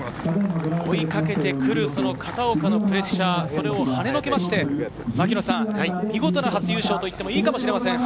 追いかけてくる片岡のプレッシャー、それをはねのけまして、見事な初優勝といってもいいかもしれません。